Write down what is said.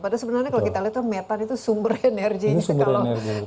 padahal sebenarnya kalau kita lihat kan metan itu sumber energinya kalau